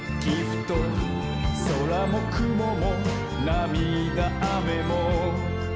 「そらもくももなみだあめも」